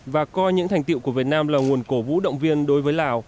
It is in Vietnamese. và coi những thành tiệu của việt nam là nguồn cổ vũ động viên đối với lào